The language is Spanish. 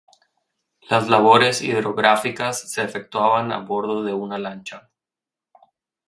Las labores hidrográficas se efectuaban a bordo de una lancha.